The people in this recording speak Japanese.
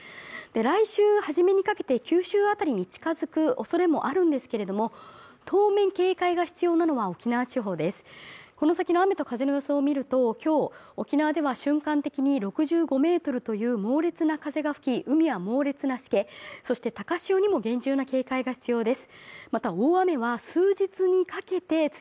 来週初めにかけて九州辺りに近づくおそれもあるんですけれども当面、警戒が必要なのは沖縄地方ですこの先の雨と風の予想を見ると今日、沖縄では瞬間的に６５メートルという猛烈な風が吹き海は猛烈なしけ、そして高潮にも厳重な警戒が必要です